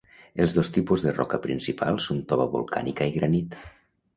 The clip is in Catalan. Els dos tipus de roca principal són tova volcànica i granit.